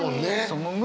そう。